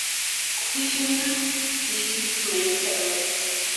Quinn, D. Michael.